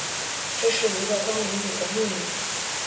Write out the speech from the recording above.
这是一个关于妳的秘密